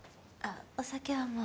お酒はもう。